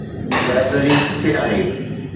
Library ڪٿي آهي؟